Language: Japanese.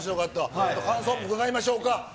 感想も伺いましょうか。